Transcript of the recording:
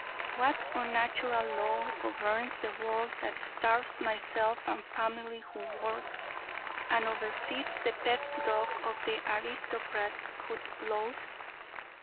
What unnatural law governs the world that starves myself and family who work, and over feeds the pet dog of the aristocrat, who loafs?